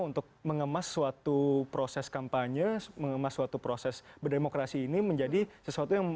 untuk mengemas suatu proses kampanye mengemas suatu proses berdemokrasi ini menjadi sesuatu yang